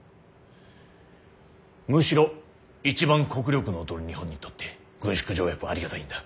むしろ一番国力の劣る日本にとって軍縮条約はありがたいんだ。